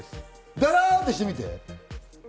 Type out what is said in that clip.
ダラってしてみて？